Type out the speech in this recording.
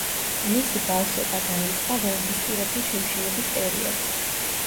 მისი ბავშვობა დაემთხვა ვოლგისპირეთის შიმშილობის პერიოდს.